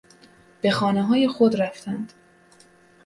به خانههای خود رفتند.